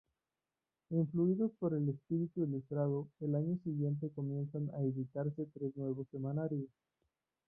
Influidos por el espíritu ilustrado, el año siguiente comienzan a editarse tres nuevos semanarios.